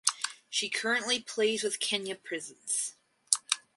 She currently plays with Kenya Prisons.